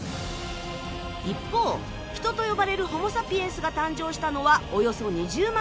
一方人と呼ばれるホモサピエンスが誕生したのはおよそ２０万年前。